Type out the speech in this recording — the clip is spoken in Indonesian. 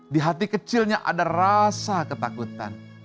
di hati kecilnya ada rasa ketakutan